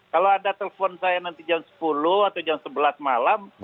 kalau ada telepon saya nanti jam sepuluh atau jam sebelas malam